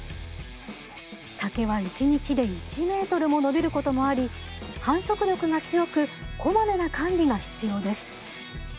竹は一日で１メートルも伸びることもあり繁殖力が強くこまめな管理が必要です。